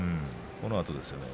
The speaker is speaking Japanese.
このあとですね。